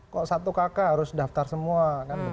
kok satu kakak harus daftar semua